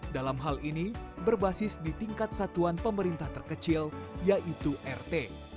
dalam hal ini berbasis di tingkat satuan pemerintah terkecil yaitu rt